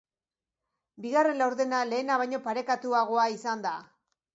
Bigarren laurdena lehena baino parekatuagoa izan da.